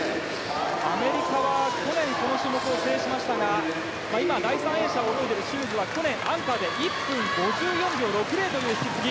アメリカは去年この種目を制しましたが第３泳者を泳いでいるシムズは去年、アンカーで１分５４秒６０という引き継ぎ。